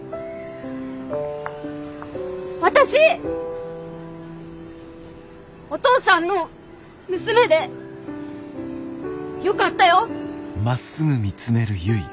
私お父さんの娘でよかったよ！